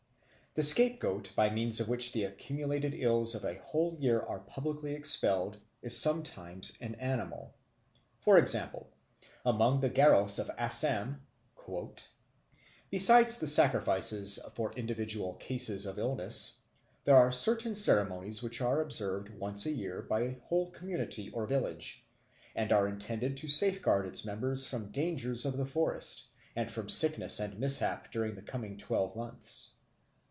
The scapegoat by means of which the accumulated ills of a whole year are publicly expelled is sometimes an animal. For example, among the Garos of Assam, "besides the sacrifices for individual cases of illness, there are certain ceremonies which are observed once a year by a whole community or village, and are intended to safeguard its members from dangers of the forest, and from sickness and mishap during the coming twelve months.